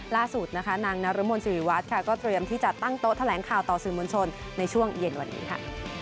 ล่าสุดนะคะนางนรมนศิริวัฒน์ค่ะก็เตรียมที่จะตั้งโต๊ะแถลงข่าวต่อสื่อมวลชนในช่วงเย็นวันนี้ค่ะ